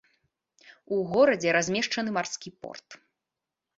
У горадзе размешчаны марскі порт.